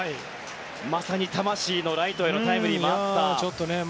まさに魂のライトへのタイムリーもあった。